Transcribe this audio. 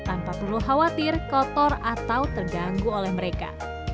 tanpa perlu khawatir kotor atau terganggu oleh mereka